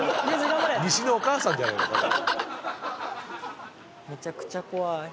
西のお母さんじゃないか。